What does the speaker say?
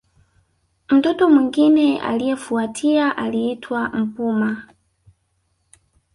Mtoto mwingine aliyefuatia aliitwa Mpuma